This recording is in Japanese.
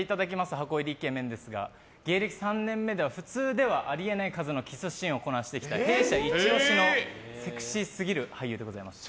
箱入りイケメンですが芸歴３年目では普通ではあり得ない数のキスシーンをこなしてきた弊社イチ押しのセクシーすぎる俳優でございます。